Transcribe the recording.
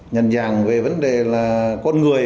nhận dạng về vấn đề là con người